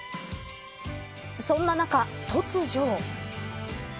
そんな中、突如。